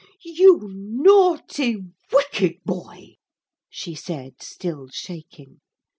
'You naughty, wicked boy!' she said, still shaking.